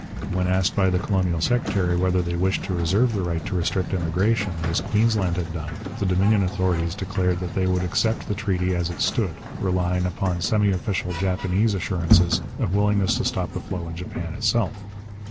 When asked by the colonial secretary whether they wished to reserve the right to restrict immigration, as Queensland had done, the Dominion authorities declared that they would accept the treaty as it stood, relying upon semi official Japanese assurances of willingness to stop the flow in Japan itself.